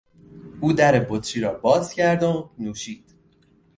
او در بطری را باز کرد و نوشید.